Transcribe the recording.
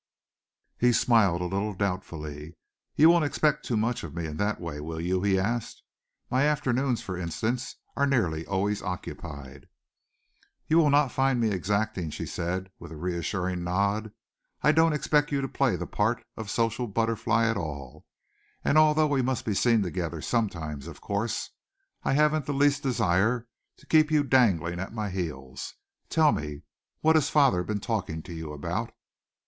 He smiled a little doubtfully. "You won't expect too much of me in that way, will you?" he asked. "My afternoons, for instance, are nearly always occupied." "You will not find me exacting," she said, with a reassuring nod. "I don't expect you to play the part of social butterfly at all, and although we must be seen together sometimes, of course, I haven't the least desire to keep you dangling at my heels. Tell me, what has father been talking to you about?"